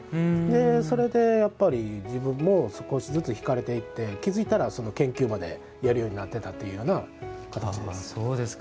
それで自分も少しずつ引かれていって気付いたら研究までやるようになっていたという形です。